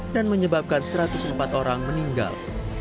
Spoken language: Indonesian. dan menyebabkan satu ratus empat orang meninggal